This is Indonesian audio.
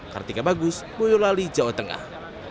kartika bagus boyolali jawa tengah